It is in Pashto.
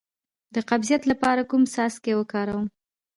د قبضیت لپاره کوم څاڅکي وکاروم؟